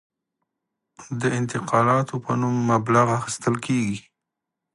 د انتقالاتو په نوم مبلغ اخیستل کېږي.